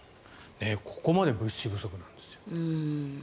ここまで物資不足なんですよ。